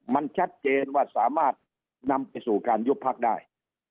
มันชัดเจนว่าสามารถนำไปสู่การยุบพักได้